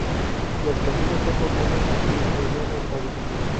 Los caminos son locales y en mediano estado.